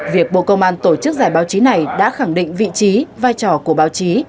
việc bộ công an tổ chức giải báo chí này đã khẳng định vị trí vai trò của báo chí